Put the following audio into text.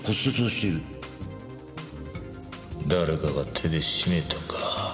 誰かが手で絞めたか。